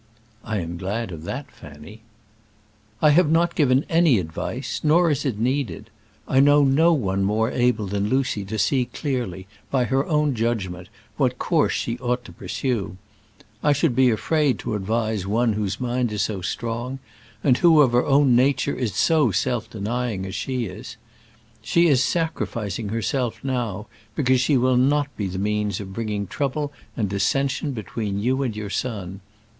"I am glad of that, Fanny." "I have not given any advice; nor is it needed. I know no one more able than Lucy to see clearly, by her own judgment, what course she ought to pursue. I should be afraid to advise one whose mind is so strong, and who, of her own nature, is so self denying as she is. She is sacrificing herself now, because she will not be the means of bringing trouble and dissension between you and your son.